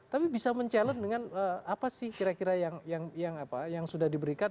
tapi bisa mencabar dengan apa sih kira kira yang sudah diberikan